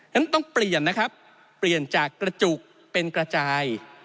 นั้นต้องเปลี่ยนนะครับเปลี่ยนจากกระจุกเป็นกระจาย